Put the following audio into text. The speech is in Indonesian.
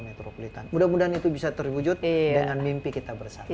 metropolitan mudah mudahan itu bisa terwujud dengan mimpi kita bersama